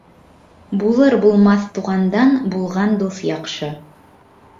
Булыр-булмаҫ туғандан булған дуҫ яҡшы.